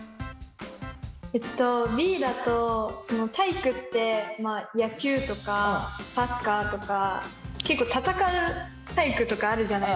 えっとＢだと体育って野球とかサッカーとか結構戦う体育とかあるじゃないですか。